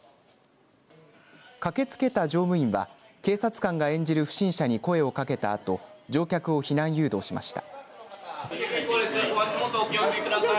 駆けつけた乗務員は警察官が演じる不審者に声をかけたあと乗客を避難誘導しました。